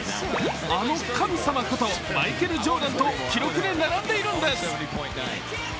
あの神様ことマイケル・ジョーダンと記録で並んでいるんです。